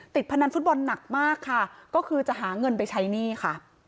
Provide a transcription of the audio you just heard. พนันฟุตบอลหนักมากค่ะก็คือจะหาเงินไปใช้หนี้ค่ะ